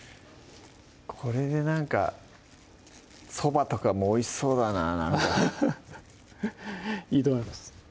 これでなんかそばとかもおいしそうだなぁアハハッいいと思います